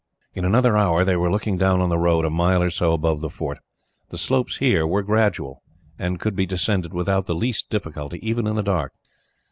In another hour, they were looking down on the road, a mile or so above the fort. The slopes here were gradual, and could be descended without the least difficulty, even in the dark.